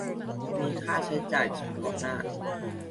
มีค่าใช้จ่ายเฉพาะหน้า